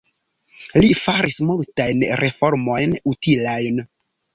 Li faris multajn reformojn utilajn.